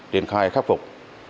tiến khai khắc phục